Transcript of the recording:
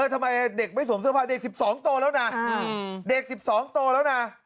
ทำไมเด็กไม่สวมเสื้อผ้าเด็ก๑๒โตแล้วนะ